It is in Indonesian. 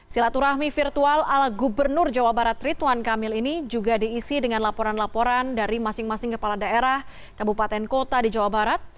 silaturahmi virtual ala gubernur jawa barat rituan kamil ini juga diisi dengan laporan laporan dari masing masing kepala daerah kabupaten kota di jawa barat